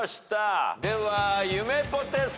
ではゆめぽてさん。